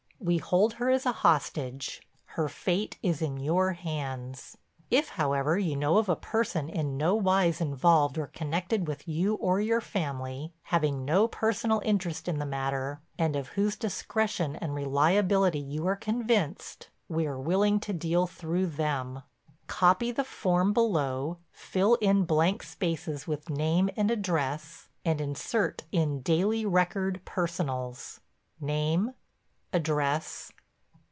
We hold her as a hostage; her fate is in your hands. If, however, you know of a person in no wise involved or connected with you or your family, having no personal interest in the matter, and of whose discretion and reliability you are convinced, we are willing to deal through them. Copy the form below, fill in blank spaces with name and address and insert in Daily Record personals. "(Name).................................. "(Address)...............................